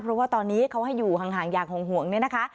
เพราะว่าตอนนี้เขาให้อยู่ห่างอย่างห่วงเนี่ยนะคะ